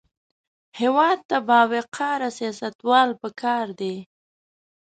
هېواد ته باوقاره سیاستوال پکار دي